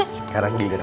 sekarang giliran bapak